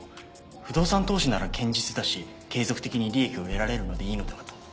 不動産投資なら堅実だし継続的に利益を得られるのでいいのではと。